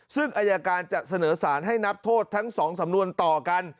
ซึ่งอายการจะเสนอสารให้นับโทษทั้ง๒สำนวนต่อกัน